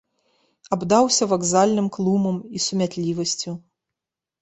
Абдаўся вакзальным клумам і сумятлівасцю.